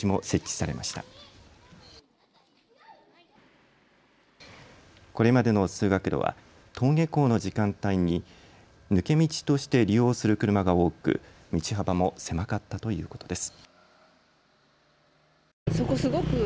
これまでの通学路は登下校の時間帯に抜け道として利用する車が多く道幅も狭かったということです。